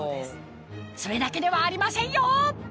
それだけではありませんよ！